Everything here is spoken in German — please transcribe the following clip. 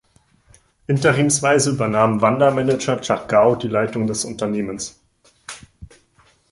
Interimsweise übernahm Wanda-Manager Jack Gao die Leitung des Unternehmens.